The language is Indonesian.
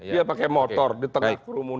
dia pakai motor di tengah kerumunan